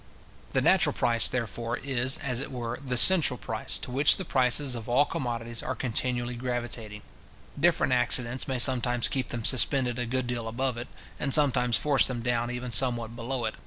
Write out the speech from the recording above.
The natural price, therefore, is, as it were, the central price, to which the prices of all commodities are continually gravitating. Different accidents may sometimes keep them suspended a good deal above it, and sometimes force them down even somewhat below it.